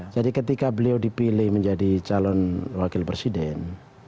jadi ketika beliau dipilih menjadi calon wakil presiden